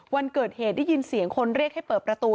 วันเกิดเหตุได้ยินเสียงคนเรียกให้เปิดประตู